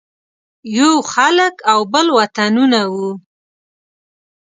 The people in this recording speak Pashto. یو خلک او بل وطنونه وو.